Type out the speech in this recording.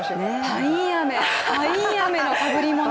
パインアメのかぶりもの！